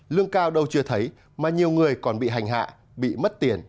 lương cao đâu chưa thấy mà nhiều người còn bị hành hạ bị mất tiền